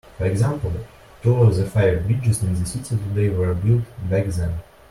For example, two of the five bridges in the city today were built back then.